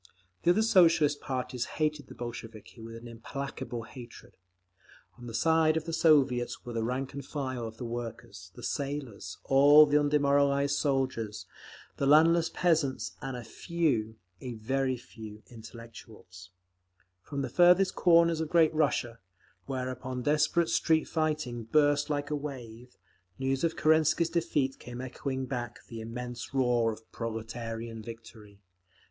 The other Socialist parties hated the Bolsheviki with an implacable hatred. On the side of the Soviets were the rank and file of the workers, the sailors, all the undemoralised soldiers, the landless peasants, and a few—a very few—intellectuals…. From the farthest corners of great Russia, whereupon desperate street fighting burst like a wave, news of Kerensky's defeat came echoing back the immense roar of proletarian victory.